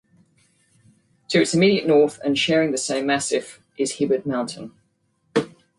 To its immediate north and sharing the same massif is Hibbard Mountain.